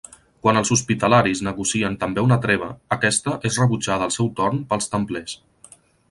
Quan els Hospitalaris negocien també una treva, aquesta és rebutjada al seu torn pels Templers.